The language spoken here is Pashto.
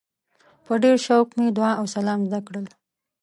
په ډېر شوق مې دعا او سلام زده کړل.